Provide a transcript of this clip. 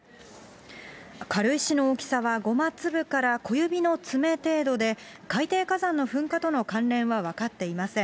軽石の大きさはごま粒から小指の爪程度で、海底火山の噴火との関連は分かっていません。